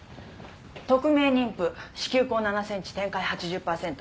匿名妊婦子宮口７センチ展開８０パーセント。